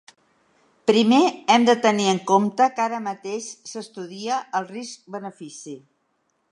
Primer hem de tenir en compte que ara mateix s’estudia el risc-benefici.